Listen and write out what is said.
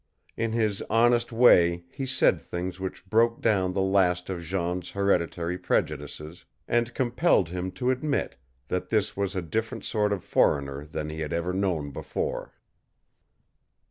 In his honest way he said things which broke down the last of Jean's hereditary prejudices, and compelled him to admit that this was a different sort of foreigner than he had ever known before.